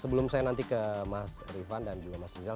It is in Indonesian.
sebelum saya nanti ke mas rifan dan juga mas rizal